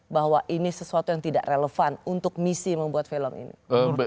bahwa ini sesuatu yang tidak relevan untuk misi membuat film ini